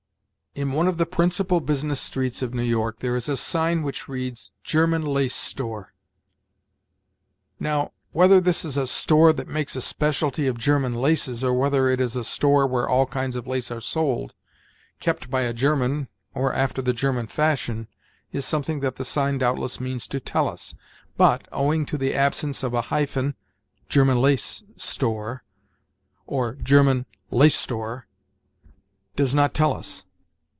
In one of the principal business streets of New York there is a sign which reads, "German Lace Store." Now, whether this is a store that makes a specialty of German laces, or whether it is a store where all kinds of lace are sold, kept by a German or after the German fashion, is something that the sign doubtless means to tell us, but, owing to the absence of a hyphen ("German Lace Store," or "German Lace Store"), does not tell us.